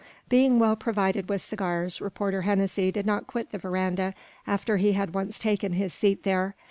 Being well provided with cigars, Reporter Hennessy did not quit the veranda after he had once taken his seat there.